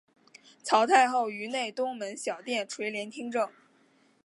曹太后于内东门小殿垂帘听政。